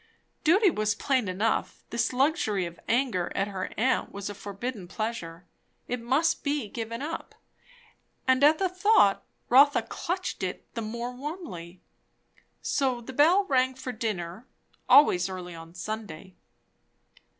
Duty was plain enough. This luxury of anger at her aunt was a forbidden pleasure; it must be given up; and at the thought, Rotha clutched it the more warmly. So the bell rang for dinner, always early on Sunday.